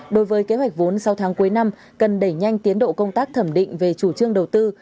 đối với kế hoạch vốn sau tháng cuối năm cần đẩy nhanh tiến độ công tác thẩm định về chủ trương đầu tư